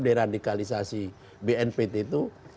deradikalisasi bnpt itu